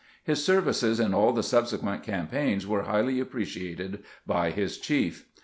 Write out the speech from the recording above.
His services in all the subsequent campaigns were highly appreciated by his chief.